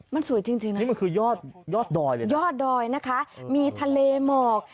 มันสวยจริงมันคือยอดดอยด้วยมีทะเลหมอก